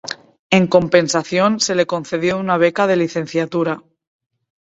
En compensación, se le concedió una beca de licenciatura.